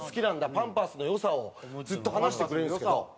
パンパースの良さをずっと話してくれるんですけど。